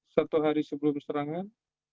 satu hari sebelum serangan